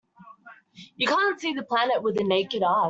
You can't see the planet with the naked eye.